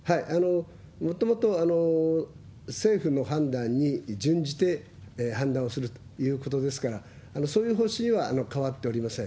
もともと政府の判断に準じて判断をするということですから、そういう方針は変わっておりません。